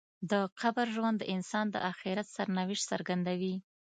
د قبر ژوند د انسان د آخرت سرنوشت څرګندوي.